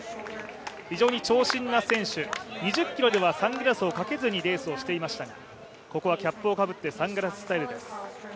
非常に長身な選手、２０ｋｍではサングラスをかけずにレースをしていましたが、ここはキャップをかぶってサングラススタイルです。